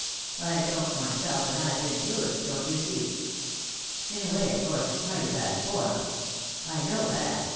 I don't myself, and I've been through it, don't you see? In a way, of course, it's mighty bad form. I know that.